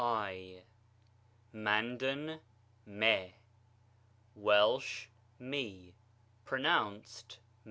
| Mandan. | Welsh. | Pronounced.